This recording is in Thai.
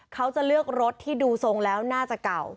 เขาจะเลือกรถที่ดูทรงแล้วน่าจะเก่า